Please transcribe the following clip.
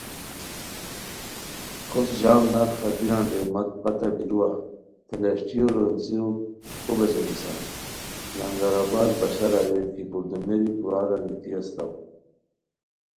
پھوست جم نرخہ بیران رے مت پتہ بیروا تھے لشٹیو رونڅیرو کو بیزیمیسان لنگر آباد بشار اریر کی پردومیری کورار انگیتی استاؤ